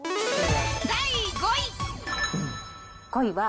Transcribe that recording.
第５位。